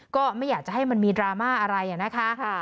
ก็ไม่อยากจะให้มันมีดราม่าอะไรนะคะ